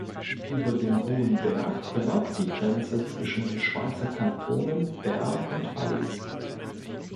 Über dem hohen Berg verläuft die Grenze zwischen den Schweizer Kantonen Bern und Wallis.